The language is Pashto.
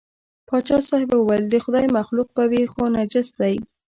پاچا صاحب وویل د خدای مخلوق به وي خو نجس دی.